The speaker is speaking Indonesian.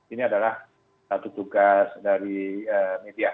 ini adalah satu tugas dari media